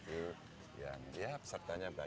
iya pesertanya banyak lah itu